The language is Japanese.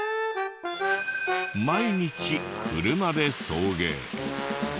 毎日車で送迎。